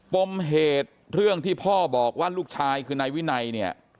ปมเหตุเรื่องที่พ่อบอกว่าลูกชายคือนายวินัยเนี่ย